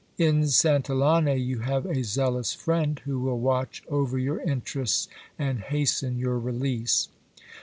In Santillane you have a zealous friend, who will watch over your interests, and hasten your release.